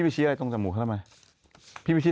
สัมมตี